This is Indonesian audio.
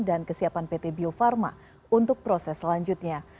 dan kesiapan pt bio farma untuk proses selanjutnya